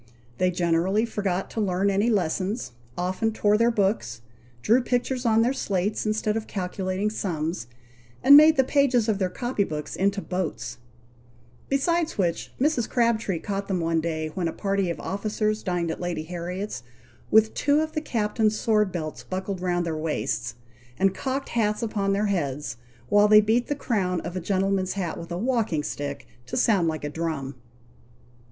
They generally forgot to learn any lessons often tore their books drew pictures on their slates, instead of calculating sums and made the pages of their copy books into boats; besides which, Mrs. Crabtree caught them one day, when a party of officers dined at Lady Harriet's, with two of the captain's sword belts buckled round their waists, and cocked hats upon their heads, while they beat the crown of a gentleman's hat with a walking stick, to sound like a drum.